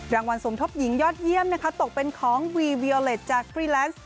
สมทบหญิงยอดเยี่ยมนะคะตกเป็นของวีวิโอเล็ตจากฟรีแลนซ์